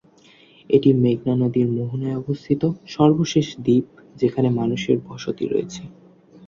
এটি মেঘনা নদীর মোহনায় অবস্থিত সর্বশেষ দ্বীপ যেখানে মানুষের বসতি রয়েছে।